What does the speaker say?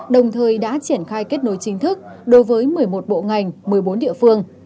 đồng thời đã triển khai kết nối chính thức đối với một mươi một bộ ngành một mươi bốn địa phương